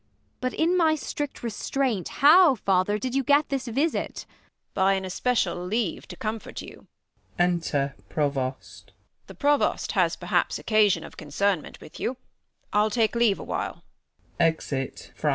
But, in my strict Restraint, how, Father, did you get this visit 1 Frl Tho. By an especial leave to comfort you. Enter Provost. The Provost has perhaps occasion of concernment With you. I'll take leave a while. [Exit Friar.